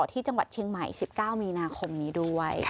ที่จังหวัดเชียงใหม่๑๙มีนาคมนี้ด้วย